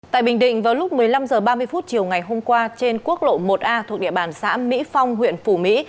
tại bình định vào lúc một mươi năm h ba mươi chiều ngày hôm qua trên quốc lộ một a thuộc địa bàn xã mỹ phong huyện phủ mỹ